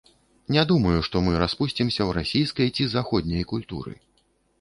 Не думаю, што мы распусцімся ў расійскай ці заходняй культуры.